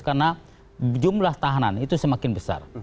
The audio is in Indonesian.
karena jumlah tahanan itu semakin besar